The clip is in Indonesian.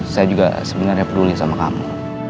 saya juga sebenarnya peduli sama kamu